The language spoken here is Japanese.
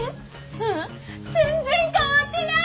ううん全然変わってない！